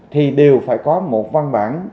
thì đều phải có một văn bản